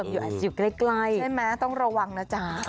อาจจะอยู่ใกล้ใช่ไหมต้องระวังนะจ๊ะ